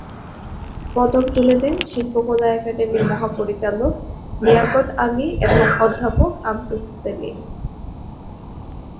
পদক তুলে দেন শিল্পকলা একাডেমীর মহাপরিচালক লিয়াকত আলী এবং অধ্যাপক আবদুস সেলিম।